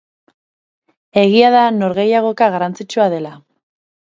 Egia da norgehiagoka garrantzitsua dela.